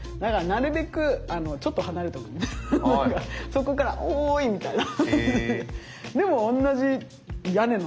そこから「おい！」みたいな。